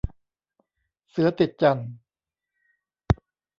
เสือติดจั่น